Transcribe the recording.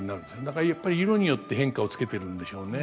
だからやっぱり色によって変化をつけてるんでしょうね。